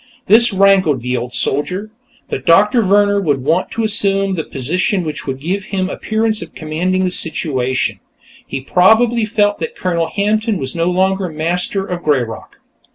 That rankled the old soldier, but Doctor Vehrner would want to assume the position which would give him appearance of commanding the situation, and he probably felt that Colonel Hampton was no longer the master of "Greyrock."